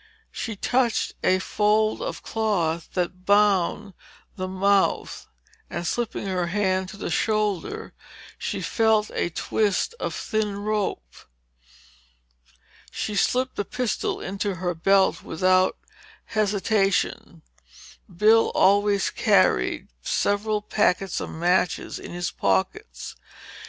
She touched a fold of cloth that bound the mouth and slipping her hand to the shoulder, she felt a twist of thin rope. She slipped the pistol into her belt without hesitation. Bill always carried several packets of matches in his pockets.